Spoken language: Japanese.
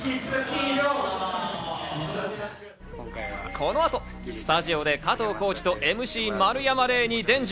この後、スタジオで加藤浩次とＭＣ丸山礼に伝授。